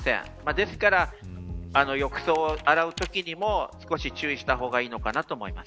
ですから、浴槽を洗うときにも少し注意した方がいいのかなと思います。